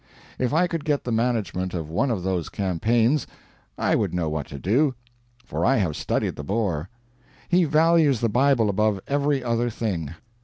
If I could get the management of one of those campaigns, I would know what to do, for I have studied the Boer. He values the Bible above every other thing.